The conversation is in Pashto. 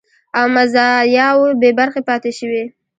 او مزایاوو بې برخې پاتې شوي